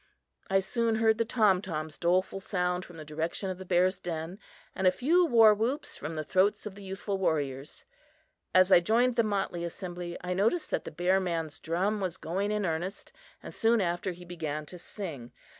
I soon heard the tom tom's doleful sound from the direction of the bear's den, and a few warwhoops from the throats of the youthful warriors. As I joined the motley assembly, I noticed that the bear man's drum was going in earnest, and soon after he began to sing.